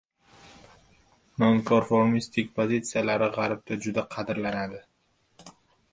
nonkonformistik pozitsiyalari G‘arbda juda qadrlanadi;